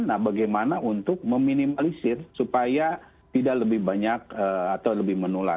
nah bagaimana untuk meminimalisir supaya tidak lebih banyak atau lebih menular